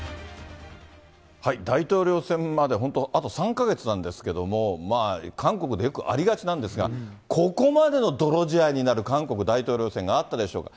大統領選まで本当、あと３か月なんですけども、韓国でよくありがちなんですが、ここまでの泥仕合になる韓国大統領選があったでしょうか。